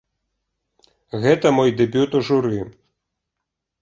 Гэта мой дэбют у журы.